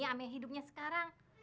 sama hidupnya sekarang